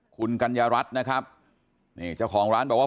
คุณกัญญารัฐนะครับนี่เจ้าของร้านบอกว่า